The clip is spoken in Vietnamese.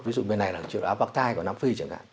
ví dụ bên này là chế độ áp bạc thai của nam phi chẳng hạn